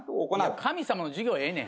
神様の授業ええねん。